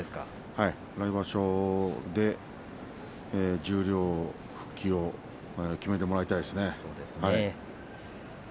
来場所で十両復帰を決めてもらいたいですね。